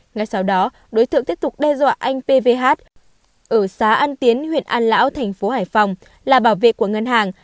ngay sau đó đối tượng tiếp tục đe dọa anh p v h ở xá an tiến huyện an lão tp hải phòng là bảo vệ của ngân hàng